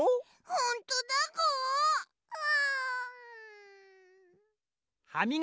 ほんとだぐ。